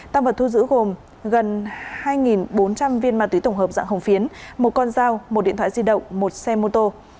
tăng vật thu giữ gồm gần hai bốn trăm linh viên ma túy tổng hợp dạng hồng phiến một con dao một điện thoại di động một xe mô tô